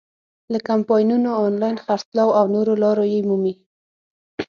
له کمپاینونو، آنلاین خرڅلاو او نورو لارو یې مومي.